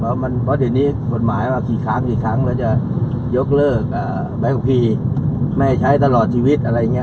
เพราะเดี๋ยวนี้กฎหมายว่ากี่ครั้งกี่ครั้งเราจะยกเลิกใบขับขี่ไม่ให้ใช้ตลอดชีวิตอะไรอย่างนี้